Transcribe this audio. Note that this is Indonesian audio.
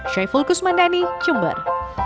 syoy fulkus mandani jember